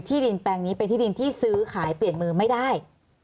ดินแปลงนี้เป็นที่ดินที่ซื้อขายเปลี่ยนมือไม่ได้